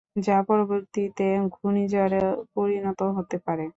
যা পরবর্তীতে ঘূর্ণিঝড়ে পরিণত হতে পারে।